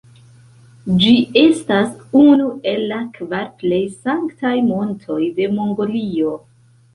Ĝi estas unu el la kvar plej sanktaj montoj de Mongolio.